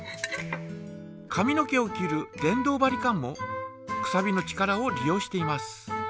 髪の毛を切る電動バリカンもくさびの力を利用しています。